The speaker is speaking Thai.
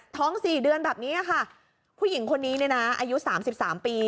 สี่เดือนแบบนี้ค่ะผู้หญิงคนนี้เนี่ยนะอายุสามสิบสามปี